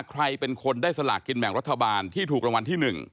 ใครเป็นคนได้สลากกินแบ่งรัฐบาลที่ถูกรางวัลที่๑